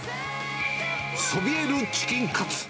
そびえるチキンカツ。